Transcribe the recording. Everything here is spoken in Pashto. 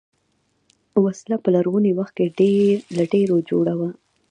وسله په لرغوني وخت کې له ډبرو جوړه وه